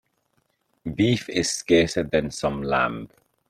Beef is scarcer than some lamb.